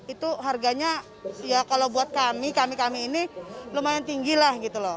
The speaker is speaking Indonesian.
itu harganya ya kalau buat kami kami kami ini lumayan tinggi lah gitu loh